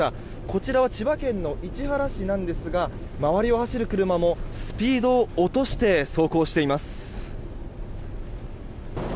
こちらは千葉県の市原市なんですが周りを走る車もスピードを落として走行しています。